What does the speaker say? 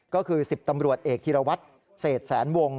ก็คือ๑๐ตำรวจเอกธีรวัตรเศษแสนวง